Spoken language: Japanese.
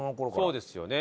そうですよね。